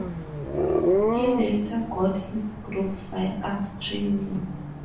He later got his group firearms training.